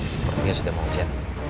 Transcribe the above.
sepertinya sudah mau jalan